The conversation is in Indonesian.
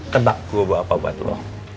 kebak gue bawa apa buat lo